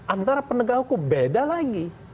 antara penegak hukum beda lagi